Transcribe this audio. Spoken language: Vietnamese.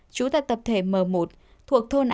trú tại tập thể m một thuộc thôn áp